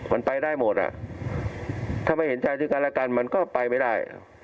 มันไปได้หมดอ่ะถ้าไม่เห็นใจซึ่งกันและกันมันก็ไปไม่ได้